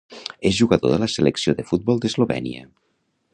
És jugador de la selecció de futbol d'Eslovènia.